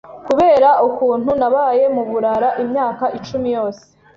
kubera ukuntu nabaye mu burara imyaka icumi yose